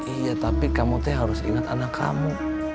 iya tapi kamu tuh harus ingat anak kamu